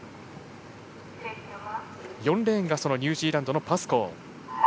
４レーンがニュージーランドのパスコー。